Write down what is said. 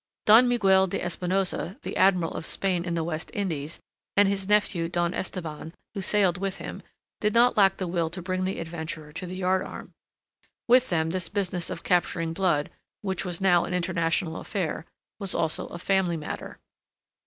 Don Miguel de Espinosa, the Admiral of Spain in the West Indies, and his nephew Don Esteban who sailed with him, did not lack the will to bring the adventurer to the yardarm. With them this business of capturing Blood, which was now an international affair, was also a family matter.